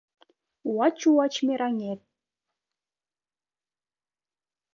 Уач-уач мераҥет